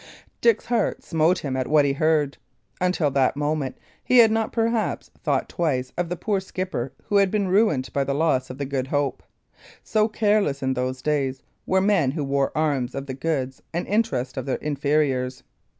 Dick's heart smote him at what he heard. Until that moment he had not perhaps thought twice of the poor skipper who had been ruined by the loss of the Good Hope; so careless, in those days, were men who wore arms of the goods and interests of their inferiors.